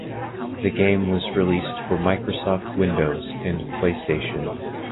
The game was released for Microsoft Windows and PlayStation.